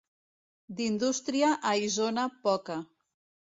D'indústria, a Isona, poca.